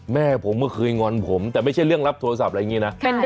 แม่ผมก็เคยงอนผมแต่ไม่ใช่เรื่องรับโทรศัพท์อะไรอย่างนี้นะ